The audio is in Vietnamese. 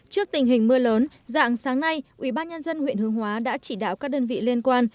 trước tình hình mưa lớn dạng sáng nay ubnd huyện hướng hóa đã chỉ đạo các đơn vị liên quan